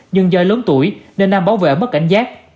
nhưng do lớn tuổi nên nam bảo vệ mất cảnh giác